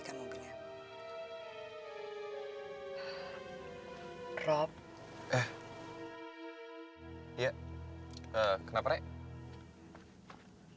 kita harus berhenti